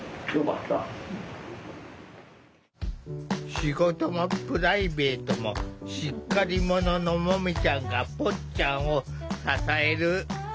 仕事もプライベートもしっかりもののもみちゃんがぽっちゃんを支える。